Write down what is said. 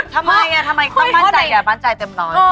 ทำไมทำไมต้องมั่นใจไงมั่นใจเต็มร้อย